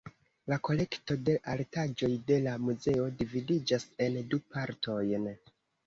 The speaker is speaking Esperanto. La kolekto de artaĵoj de la muzeo dividiĝas en du partojn.